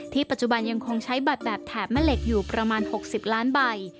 ปัจจุบันยังคงใช้บัตรแบบแถบแม่เหล็กอยู่ประมาณ๖๐ล้านใบ